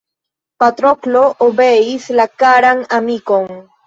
Patroklo obeis la karan amikon.